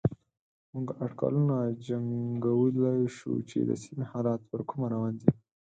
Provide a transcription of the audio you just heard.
موږ اټکلونه جنګولای شو چې د سيمې حالات پر کومه روان دي.